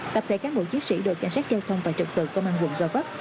tập thể cán bộ chiến sĩ đội cảnh sát giao thông và trực tự công an quận gò vấp